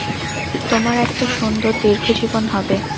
তোমার একটা সুন্দর, দীর্ঘ জীবন হবে।